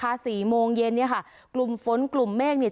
สี่โมงเย็นเนี่ยค่ะกลุ่มฝนกลุ่มเมฆเนี่ย